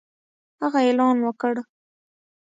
هغه اعلان وکړ